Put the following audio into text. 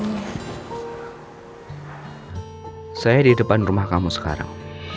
hai saya di depan rumah kamu sekarang